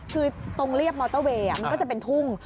คือตรงเรียบมอเตอร์เวย์มันก็จะเป็นทุ่ง